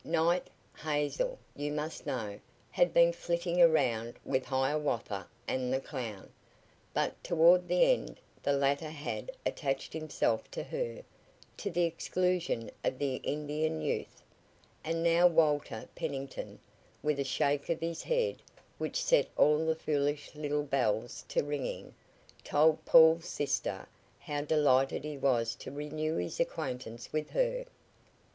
Night Hazel, you must know had been flitting around with Hiawatha and the clown, but toward the end the latter had attached himself to her, to the exclusion of the Indian youth, and now Walter Pennington, with a shake of his head which set all the foolish little bells to ringing, told Paul's sister how delighted he was to renew his acquaintance with her.